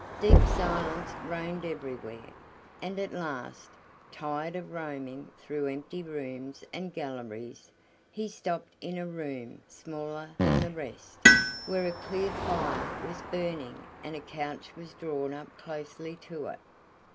Deep silence reigned everywhere, and at last, tired of roaming through empty rooms and galleries, he stopped in a room smaller than the rest, where a clear fire was burning and a couch was drawn up closely to it.